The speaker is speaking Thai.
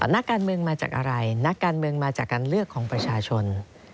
นักการเมืองมาจากอะไรนักการเมืองมาจากการเลือกของประชาชน